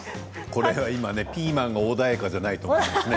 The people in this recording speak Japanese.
これ今ピーマンが穏やかじゃないと思いますよ。